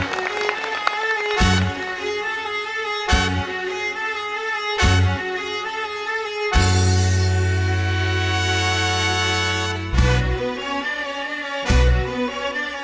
สมาธิพร้อม